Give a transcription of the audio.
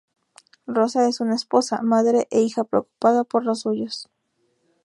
Rosa es una esposa, madre e hija preocupada por los suyos.